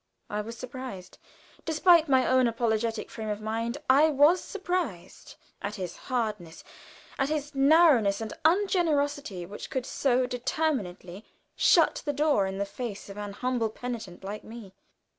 I was surprised. Despite my own apologetic frame of mind, I was surprised at his hardness; at the narrowness and ungenerosity which could so determinedly shut the door in the face of an humble penitent like me.